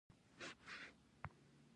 موږ ولې پرمختګ غواړو؟